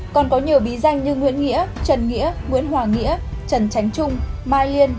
còn có nhiều bí danh như nguyễn nghĩa trần nghĩa nguyễn hoàng nghĩa trần tránh trung mai liên